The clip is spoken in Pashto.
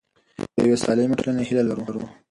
موږ د یوې سالمې ټولنې هیله لرو.